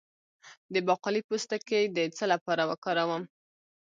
د باقلي پوستکی د څه لپاره وکاروم؟